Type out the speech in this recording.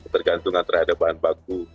tergantung antara ada bahan baku